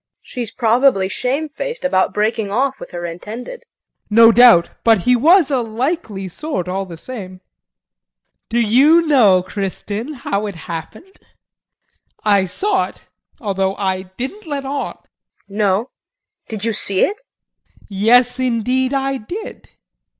She's probably shamefaced about breaking off with her intended. JEAN. No doubt! but he was a likely sort just the same. Do you know, Kristin, how it happened? I saw it, although I didn't let on. KRISTIN. No did you see it? JEAN. Yes, indeed, I did.